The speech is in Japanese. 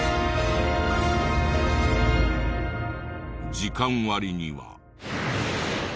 時間割には。